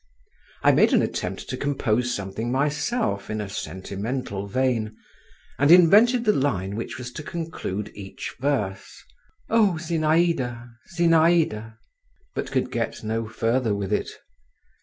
I made an attempt to compose something myself in a sentimental vein, and invented the line which was to conclude each verse: "O Zinaïda, Zinaïda!" but could get no further with it.